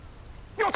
やった！